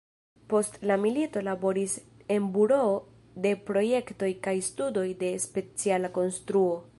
Post la milito laboris en Buroo de Projektoj kaj Studoj de Speciala Konstruo.